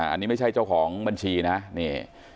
อันนี้ไม่ใช่เจ้าของบัญชีนะนี่